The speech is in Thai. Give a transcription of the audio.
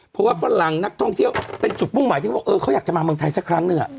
เพราะว่าฝรั่งนักท่องเที่ยวเป็นจุดปรุงหมายที่เขาอยากมาเมืองไทยสักครั้งเลย